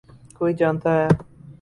کوئی جانتا ہے۔